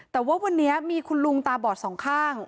แต่ว่าวันนี้มีคุณลุงตาบอดสองข้าง